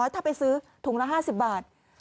ถ้าไปซื้อถุงละ๕๐บาท